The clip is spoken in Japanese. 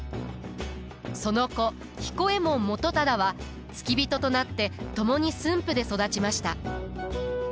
その子彦右衛門元忠は付き人となって共に駿府で育ちました。